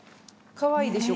かわいいでしょ？